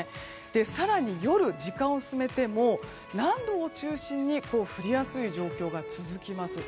更に夜、時間を進めても南部を中心に降りやすい状況が続きます。